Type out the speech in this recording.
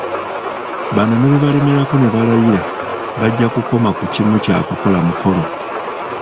Bano ne bwe balemerako ne balayira, bajja kukoma ku kimu kya kukola mukolo